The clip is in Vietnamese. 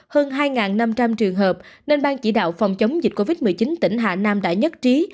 hơn hai năm trăm linh trường hợp nên ban chỉ đạo phòng chống dịch covid một mươi chín tỉnh hà nam đã nhất trí